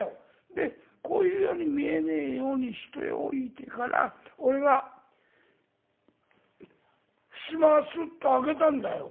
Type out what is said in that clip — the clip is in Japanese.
でこういうように見えねえようにしておいてから俺が襖をスッと開けたんだよ。